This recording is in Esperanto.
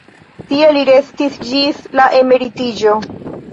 Tie li restis ĝis la emeritiĝo.